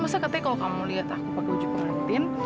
masa katanya kalo kamu liat aku pake wajah perantin